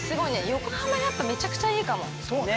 横浜やっぱめちゃくちゃいいかも。